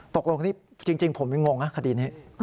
ตกลงนี่จริงผมยังงงนะคดีนี้